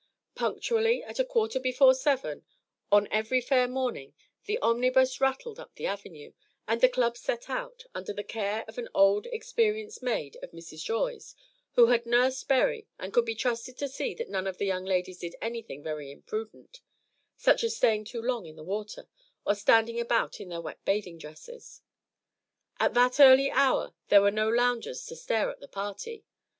Punctually at a quarter before seven on every fair morning the omnibus rattled up the Avenue; and the "Club" set out, under the care of an old experienced maid of Mrs. Joy's, who had nursed Berry, and could be trusted to see that none of the young ladies did anything very imprudent, such as staying too long in the water or standing about in their wet bathing dresses. At that early hour there were no loungers to stare at the party.